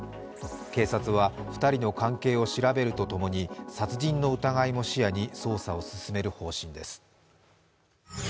警察は２人の関係を調べるとともに殺人の疑いも視野に捜査を進める方針です。